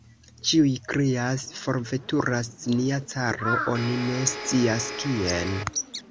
Ĉiuj krias: "forveturas nia caro, oni ne scias kien!"